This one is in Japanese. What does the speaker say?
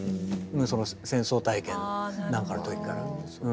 その戦争体験なんかの時から。